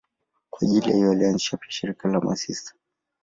Kwa ajili hiyo alianzisha pia shirika la masista.